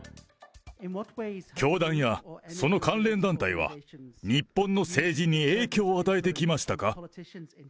教団やその関連団体は、日本の政治に影響を与えてきましたか？